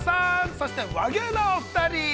そして和牛のお二人。